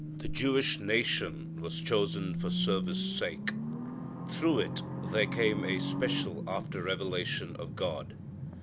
The Jewish nation was chosen for service' sake. Through it there came a special after revelation of God.